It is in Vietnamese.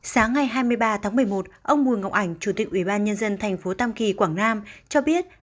sáng ngày hai mươi ba tháng một mươi một ông mùi ngọc ảnh chủ tịch ubnd tp tam kỳ quảng nam cho biết